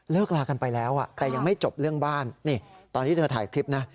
ลากันไปแล้วแต่ยังไม่จบเรื่องบ้านนี่ตอนที่เธอถ่ายคลิปนะ